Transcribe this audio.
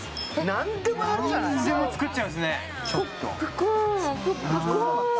何でも作っちゃうんですね。